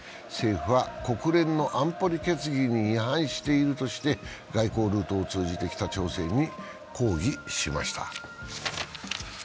政府は国連の安保理決議に違反しているとして外交ルートを通じて北朝鮮に抗議しました。